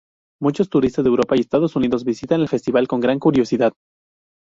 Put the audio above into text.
Muchos turistas de Europa y Estados Unidos visitan el festival con gran curiosidad.